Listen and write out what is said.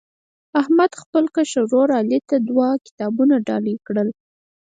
احمد خپل کشر ورر علي ته دوه کتابونه ډالۍ کړل.